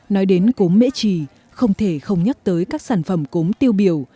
nói đến cốm mễ trì không thể không nhắc tới các sản phẩm cốm tiêu biểu